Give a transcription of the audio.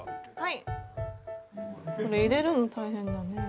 これ入れるの大変だね。